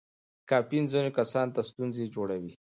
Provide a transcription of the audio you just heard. کافین ځینو کسانو ته ستونزه جوړوي.